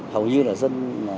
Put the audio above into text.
hầu như là dân